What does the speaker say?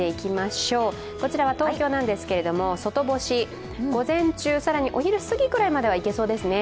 こちらは東京なんですが、外干し、午前中、更にお昼過ぎぐらいまではいけそうですね。